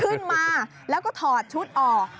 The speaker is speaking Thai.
ขึ้นมาแล้วก็ถอดชุดออก